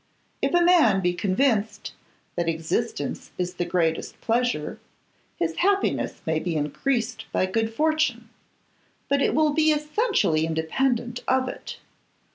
If a man be convinced that existence is the greatest pleasure, his happiness may be increased by good fortune, but it will be essentially independent of it.